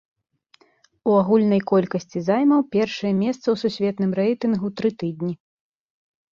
У агульнай колькасці займаў першае месца ў сусветным рэйтынгу тры тыдні.